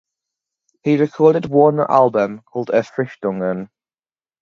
He recorded one album called "Erfrischungen".